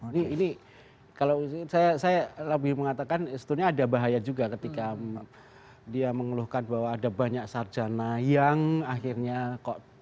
ini kalau saya lebih mengatakan sebetulnya ada bahaya juga ketika dia mengeluhkan bahwa ada banyak sarjana yang akhirnya kok